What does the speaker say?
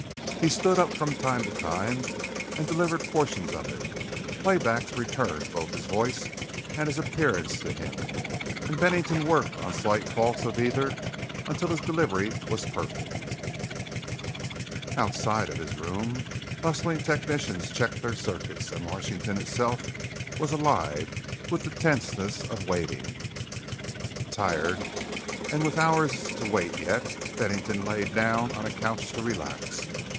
He stood up from time to time and delivered portions of it. Playbacks returned both his voice and his appearance to him, and Bennington worked on slight faults of either until his delivery was perfect. Outside of his room, bustling technicians checked their circuits and Washington itself was alive with the tenseness of waiting. Tired and with hours to wait yet Bennington laid down on a couch to relax.